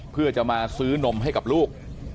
เพื่อจะมาซื้อนมให้กับลูก